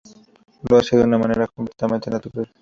Lo hacía de una manera completamente natural.